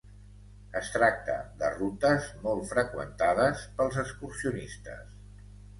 Es tracta de rutes molt freqüentades pels excursionistes.